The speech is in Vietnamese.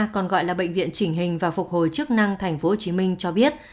còn gọi là bệnh viện chỉnh hình và phục hồi chức năng tp hcm cho biết